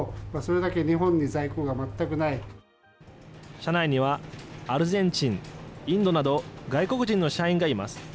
社内には、アルゼンチン、インドなど、外国人の社員がいます。